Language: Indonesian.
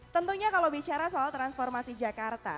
tentunya kalau bicara soal transformasi jakarta